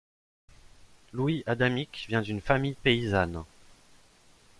Louis Adamic vient d'une famille paysanne.